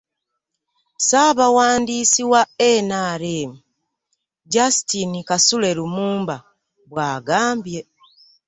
Ssaabawandiisi wa NRM, Justine Kasule Lumumba bw'agambye